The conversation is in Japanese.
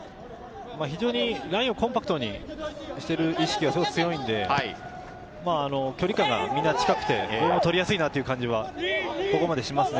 非常にラインをコンパクトにしている意識がすごく強いので、距離感がみんな近くてボール取りやすいなという感じはここまでしますね。